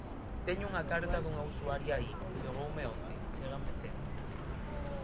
Teño unha carta dunha usuaria aí, chegoume onte, chéganme centos.